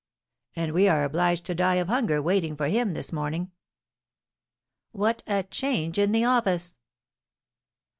"And we are obliged to die of hunger waiting for him this morning." "What a change in the office!"